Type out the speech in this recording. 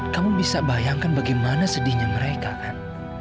kamu bisa bayangkan bagaimana sedihnya mereka kan